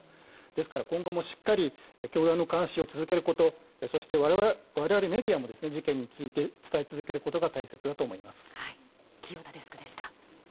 ですから、今後も教団の監視を続けることそして我々メディアも事件について伝え続けることが大切だとしています。